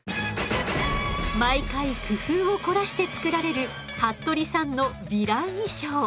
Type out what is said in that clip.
毎回工夫を凝らして作られる服部さんのヴィラン衣装。